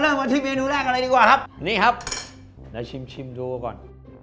เริ่มมาที่เมนูแรกอะไรดีกว่าครับนี่ครับเราชิมชิมดูก่อน